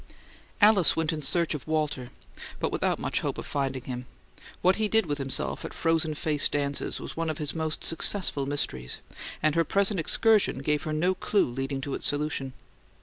Alice went in search of Walter, but without much hope of finding him. What he did with himself at frozen face dances was one of his most successful mysteries, and her present excursion gave her no clue leading to its solution.